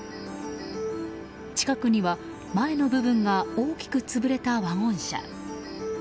近くには前の部分が大きく潰れたワゴン車。